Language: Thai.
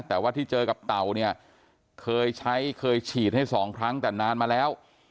แต่ว่าที่เจอกับเต่าเนี่ยเคยใช้เคยฉีดให้สองครั้งแต่นานมาแล้ว